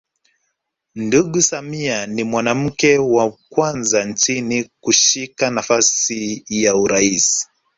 Ndugu Samia ni mwanamke wa kwanza nchini kushika nafasi ya urais